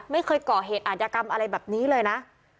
ไม่เคยก่อเหตุอาจยากรรมอะไรแบบนี้เลยนะ